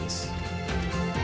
menjaga kepala kepala kepala kepala